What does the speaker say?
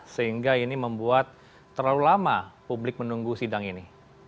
sehingga ini membuat terlalu lama publik menunggu sidang ini